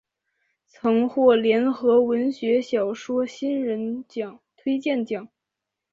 曾获联合文学小说新人奖推荐奖。